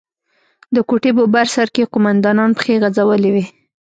د کوټې په بر سر کښې قومندان پښې غځولې وې.